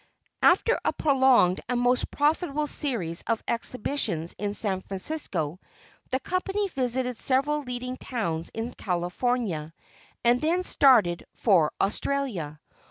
After a prolonged and most profitable series of exhibitions in San Francisco, the company visited several leading towns in California and then started for Australia.